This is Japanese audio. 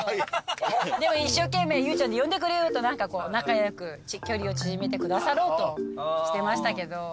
でも一生懸命「ゆうちゃん」って呼んでくれると何か仲良く距離を縮めてくださろうとしてました。